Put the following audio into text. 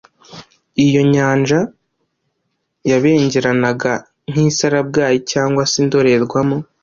iyo nyanja yabengeranaga nk’isarabwayi cyangwa se indorerwamo